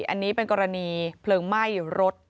อันนี้เป็นกรณีเพลิงไหม้รถ